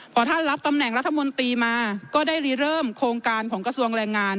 พอท่านรับตำแหน่งรัฐมนตรีมาก็ได้รีเริ่มโครงการของกระทรวงแรงงาน